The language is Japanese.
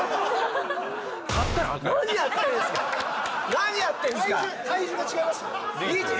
何やってるんですか？